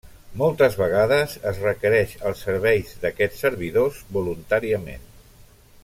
Moltes vegades es requereix els serveis d'aquests servidors, voluntàriament.